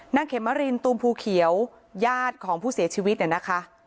เขมรินตูมภูเขียวญาติของผู้เสียชีวิตเนี่ยนะคะ